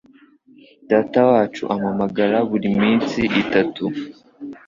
Data wacu ampamagara buri minsi itatu.